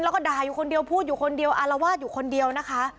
แล้วก็ด่าอยู่คนเดียวพูดอยู่คนเดียวอารวาสอยู่คนเดียวนะคะ